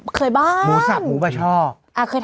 เคยบ้างโมสับหมูปชอบโหมดสับ้มเคยบ้าง